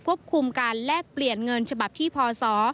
คุมการแลกเปลี่ยนเงินฉบับที่พศ